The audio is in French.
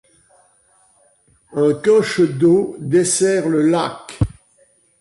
Un coche d'eau dessert le lac.